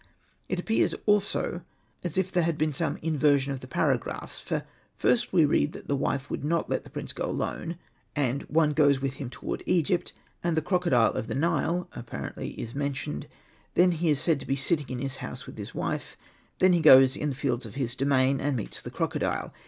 It appears also as if there had been some inver sion of the paragraphs ; for, first, we read that the wife would not let the prince go alone, and one goes with him toward Egypt, and the crocodile of the Nile (apparently) is mentioned ; then he is said to be sitting in his house with his wife ; then he goes in the fields of his domain and meets the crocodile.